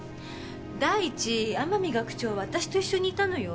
第一天海学長は私と一緒にいたのよ？